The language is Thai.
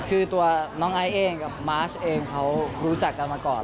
คือตัวน้องไอซ์เองกับมาร์ชเองเขารู้จักกันมาก่อน